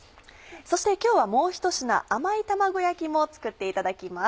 そして今日はもう一品「甘い卵焼き」も作っていただきます。